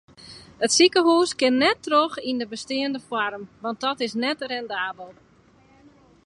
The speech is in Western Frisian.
It sikehûs kin net troch yn de besteande foarm want dat is net rendabel.